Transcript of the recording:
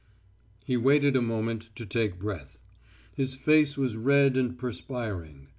He waited a moment to take breath. His face was red and perspiring.